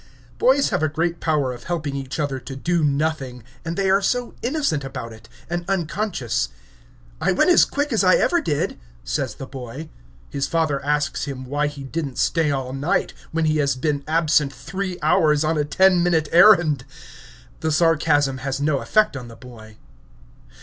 Boys have a great power of helping each other to do nothing; and they are so innocent about it, and unconscious. "I went as quick as ever I could," says the boy: his father asks him why he did n't stay all night, when he has been absent three hours on a ten minute errand. The sarcasm has no effect on the boy.